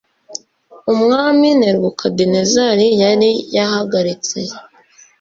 Umwami Nebukadinezari yari yahagaritse